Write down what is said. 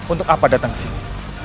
untuk apa datang kesini